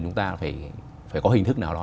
chúng ta phải có hình thức nào đó